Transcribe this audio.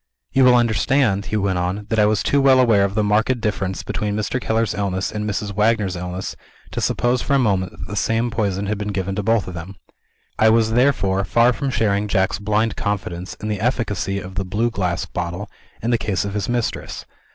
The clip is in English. "You will understand," he went on, "that I was too well aware of the marked difference between Mr. Keller's illness and Mrs. Wagner's illness to suppose for a moment that the same poison had been given to both of them. I was, therefore, far from sharing Jack's blind confidence in the efficacy of the blue glass bottle, in the case of his mistress.